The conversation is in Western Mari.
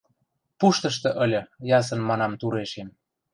Пуштышты ыльы, — ясын манам турешем.